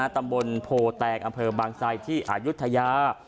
ตำบลโพแตงอำเภอบางไซที่อายุทยา